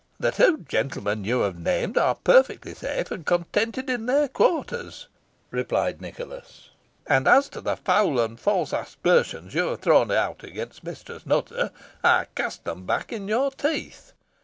"The two gentlemen you have named are perfectly safe and contented in their quarters," replied Nicholas; "and as to the foul and false aspersions you have thrown out against Mistress Nutter, I cast them back in your teeth.